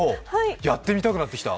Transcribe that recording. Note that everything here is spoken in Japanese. やってみたくなってきた。